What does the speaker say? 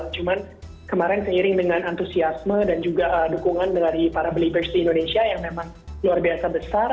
cuman kemarin seiring dengan antusiasme dan juga dukungan dari para belibers di indonesia yang memang luar biasa besar